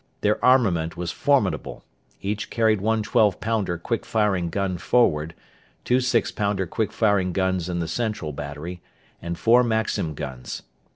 Their armament was formidable. Each carried one twelve pounder quick firing gun forward, two six pounder quick firing guns in the central battery, and four Maxim guns.